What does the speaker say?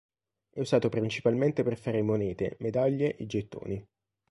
È usato principalmente per fare monete, medaglie e gettoni.